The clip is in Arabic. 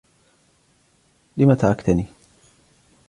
لم تركتني ؟